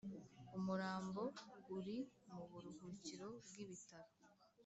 Umurambo uri mu buruhukiro bw ibitaro